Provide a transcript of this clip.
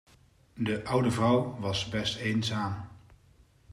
De oude vrouw was best eenzaam.